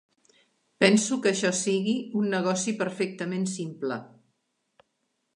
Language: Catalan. Penso que això sigui un negoci perfectament simple.